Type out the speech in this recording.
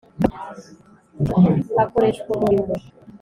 akoreshwa umurimo.